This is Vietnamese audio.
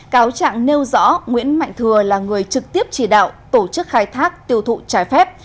cáo trạng nêu rõ nguyễn mạnh thừa là người trực tiếp chỉ đạo tổ chức khai thác tiêu thụ trái phép